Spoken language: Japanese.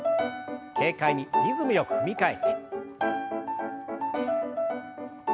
軽快にリズムよく踏み替えて。